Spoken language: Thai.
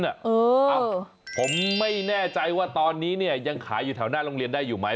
เอ้าผมไม่แน่ใจว่าตอนนี้เนี่ยยังขายอยู่แถวหน้าโรงเรียนได้อยู่ไหม